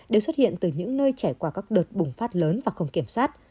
đều xuất hiện từ những nơi trải qua các đợt bùng phát lớn và không kiểm soát